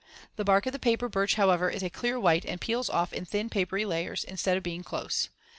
The bark of the paper birch, however, is a clear white and peels off in thin papery layers instead of being close.